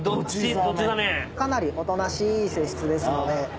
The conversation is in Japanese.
かなりおとなしい性質ですので。